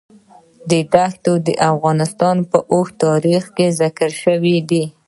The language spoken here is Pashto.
ښتې د افغانستان په اوږده تاریخ کې ذکر شوی دی.